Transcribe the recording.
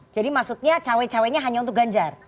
jadi maksudnya jadi maksudnya cawe cawe hanya untuk ganjar